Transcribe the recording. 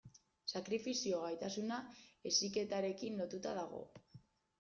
Sakrifizio gaitasuna heziketarekin lotuta dago.